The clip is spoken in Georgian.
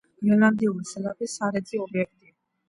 გრენლანდიური სელაპი სარეწი ობიექტია.